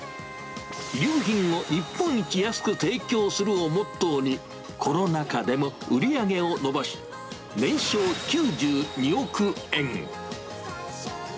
衣料品を日本一安く提供するをモットーに、コロナ禍でも売り上げを伸ばし、年商９２億円。